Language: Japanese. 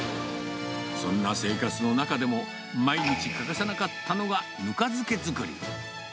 そんな生活の中でも、毎日欠かさなかったのがぬか漬け作り。